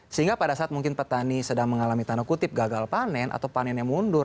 sehingga pada saat mungkin petani sedang mengalami tanda kutip gagal panen atau panennya mundur